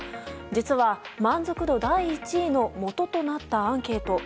実は、満足度第１位のもととなったアンケート。